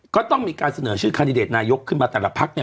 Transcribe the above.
ก็ต้องมีการเสนอชื่อคันดิเดตนายกขึ้นมาแต่ละพักเนี่ย